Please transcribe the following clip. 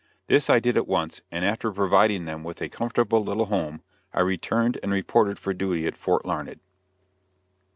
This I did at once, and after providing them with a comfortable little home, I returned and reported for duty at Fort Larned.